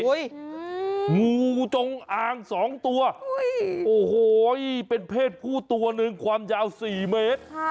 งูจงอางสองตัวโอ้โหเป็นเพศผู้ตัวหนึ่งความยาว๔เมตร